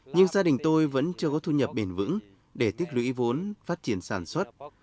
nhưng gia đình tôi vẫn chưa có thu nhập bền vững để tiết lưỡi vốn phát triển sản xuất